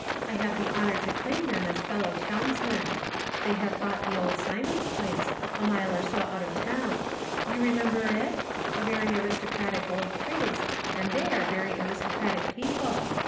I have the honor to claim them as fellow townsmen. They have bought the old Symonds place, a mile or so out of town. You rememl)er it? A very aristocratic old place, and they are very aristocratic people.